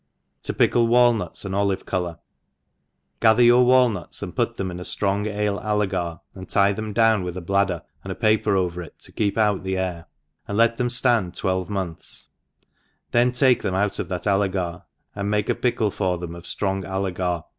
Topickl^ Walnuts 411 oHv^ colour^ m GATHER your walnuts, and pat them in m ftrong afe allegar, and tie them down with a bladder and a paper over itj to keep out theair^^ And let' them ftand twelve months^ then take them out of that allegar^ and make a pickle for them of flrong allegar.